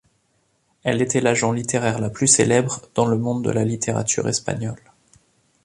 Elle était l'agent littéraire la plus célèbre dans le monde de la littérature espagnole.